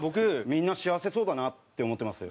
みんな幸せそうだなって思ってます。